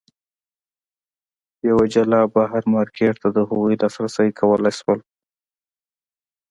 یوه جلا بهر مارکېټ ته د هغوی لاسرسی کولای شول.